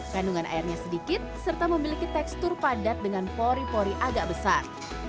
kandungan airnya sedikit serta memiliki tekstur padat dengan pori pori agak besar